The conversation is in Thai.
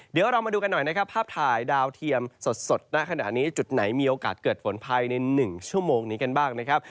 เดี๋ยวเรามาดูกันหน่อยนะครับภาพถ่ายดาวเทียมสดณขณะนี้จุดไหนมีโอกาสเกิดฝนภายใน๑ชั่วโมงนี้กันบ้างนะครับ